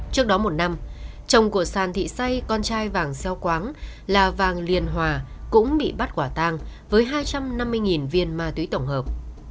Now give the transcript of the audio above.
trước đó một năm chồng của sàn thị say con trai vàng xeo khoáng là vàng liền hòa cũng bị bắt quả tang với hai trăm năm mươi viên ma túy tổng hợp